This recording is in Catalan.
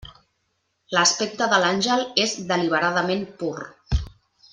L'aspecte de l'àngel és deliberadament pur.